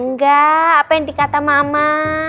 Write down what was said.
enggak apa yang dikata mama